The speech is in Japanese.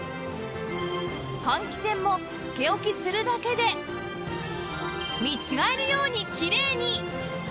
換気扇もつけ置きするだけで見違えるようにきれいに！